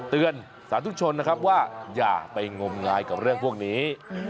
เตือนสาธุชนนะครับว่าอย่าไปงมงายกับเรื่องพวกนี้